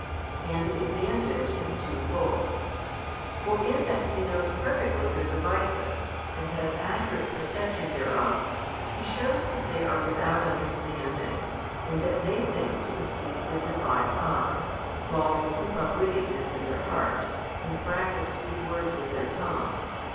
And the advantage is twofold. For in that He knows perfectly their devices and has accurate perception thereof, He shews that they are without understanding, in that they think to escape the Divine Eye, while they heap up wickedness in their heart, and practise sweet words with their tongue.